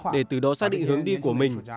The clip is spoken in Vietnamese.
để từ đó xác định hướng đi của mình